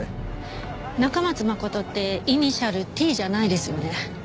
中松誠ってイニシャル「Ｔ」じゃないですよね。